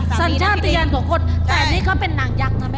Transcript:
นี่สัญชาตยานของคนแต่นี่ก็เป็นนางยักษ์นะ